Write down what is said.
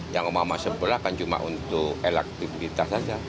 yang emak emak sebelah kan cuma untuk elektivitas saja